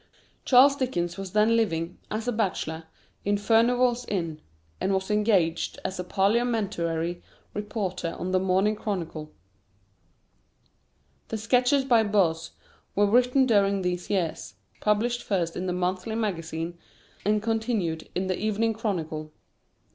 Charles Dickens was then living, as a bachelor, in Furnival's Inn, and was engaged as a parliamentary reporter on The Morning Chronicle. The "Sketches by Boz" were written during these years, published first in "The Monthly Magazine" and continued in The Evening Chronicle.